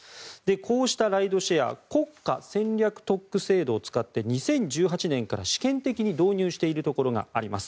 こうしたライドシェア国家戦略特区制度を使って２０１８年から試験的に導入しているところがあります。